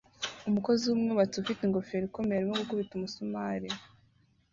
Umukozi wubwubatsi ufite ingofero ikomeye arimo gukubita umusumari